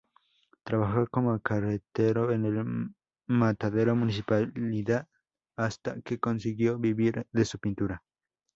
Trabajó como carretero en el matadero municipal hasta que consiguió vivir de su pintura.